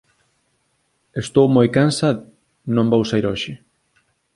Estou moi cansa non vou saír hoxe